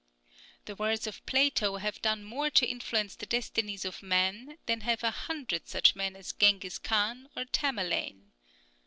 The words of Plato have done more to influence the destinies of men than have a hundred such men as Genghis Khan or Tamerlane.